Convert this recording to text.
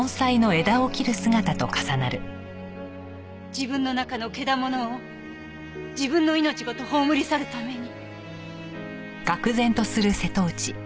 自分の中のケダモノを自分の命ごと葬り去るために。